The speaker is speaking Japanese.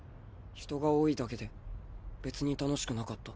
人が多いだけで別に楽しくなかった。